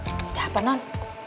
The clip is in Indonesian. udah apa non